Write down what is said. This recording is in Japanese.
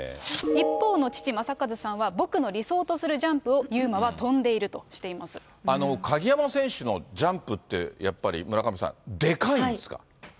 一方の父、正和さんは僕の理想とするジャンプを優真は跳んでいるとしていま鍵山選手のジャンプって、やっぱり村上さん、でかいんですか？